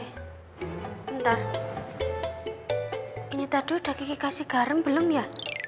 eh bentar ini tadi udah kiki kasih garam belum ya